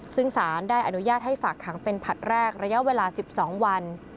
ซึ่งสารได้อนุญาตให้ฝากขังเป็นผลัดแรกระยะเวลา๑๒วัน